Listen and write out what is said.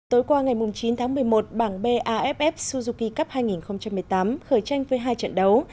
tối qua ngày chín tháng một mươi một bảng baff suzuki cup hai nghìn một mươi tám khởi tranh với hai trận đấu